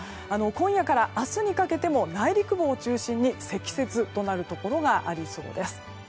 今夜から明日にかけても内陸部を中心に積雪となるところがありそうです。